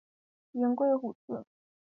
云桂虎刺为茜草科虎刺属下的一个种。